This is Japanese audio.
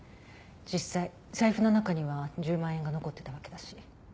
実際財布の中には１０万円が残ってたわけだし。